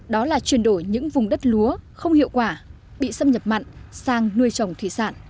đó là chuyển đổi những vùng đất lúa không hiệu quả bị xâm nhập mặn sang nuôi trồng thủy sản